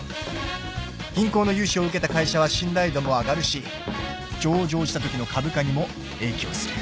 銀行の融資を受けた会社は信頼度も上がるし上場したときの株価にも影響する。